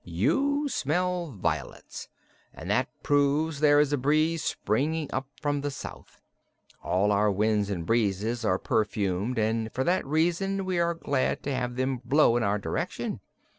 "You smell violets, and that proves there is a breeze springing up from the south. All our winds and breezes are perfumed and for that reason we are glad to have them blow in our direction.